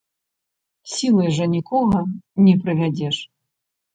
Сілай жа нікога не прывядзеш.